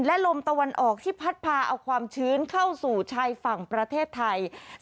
และลมตะวันออกที่พัดพาเอาความชื้นเข้าสู่ชายฝั่งประเทศไทย